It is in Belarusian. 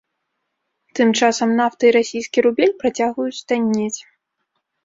Тым часам нафта і расійскі рубель працягваюць таннець.